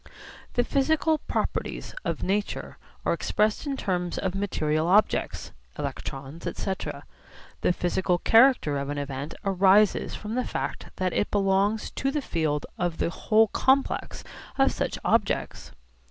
The physical properties of nature are expressed in terms of material objects (electrons, etc.). The physical character of an event arises from the fact that it belongs to the field of the whole complex of such objects.